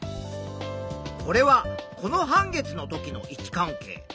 これはこの半月の時の位置関係。